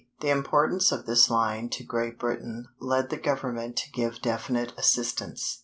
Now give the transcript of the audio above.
The importance of this line to Great Britain led the Government to give definite assistance.